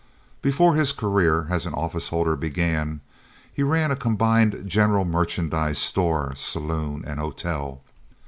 Before his career as an office holder began, he ran a combined general merchandise store, saloon, and hotel.